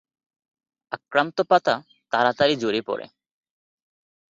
আক্রান্ত পাতা তাড়াতাড়ি ঝরে পড়ে।